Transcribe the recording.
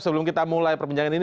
sebelum kita mulai perbincangan ini